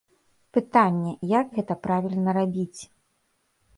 Пытанне, як гэта правільна рабіць?